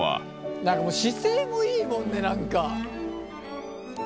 何か姿勢もいいもんね何か。